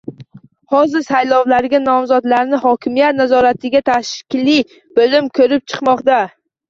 Hozir saylovlarga nomzodlarni hokimiyat nazoratidagi tashkiliy bo‘lim ko‘rib chiqmoqda.